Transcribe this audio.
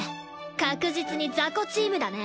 確実にザコチームだね。